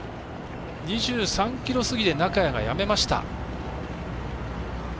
２３ｋｍ過ぎで中谷がやめました。